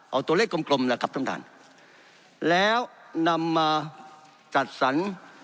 เอาตัวเลขกลมและนำมาจัดสรรค์